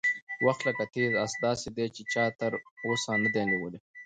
وخت لکه تېز اس داسې دی چې چا تر اوسه نه دی نیولی.